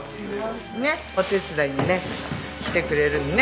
ねっお手伝いにね来てくれるのね。